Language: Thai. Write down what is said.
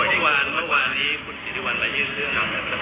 เมื่อวานเมื่อวานนี้คุณสิริวัลมายื่นเรื่อง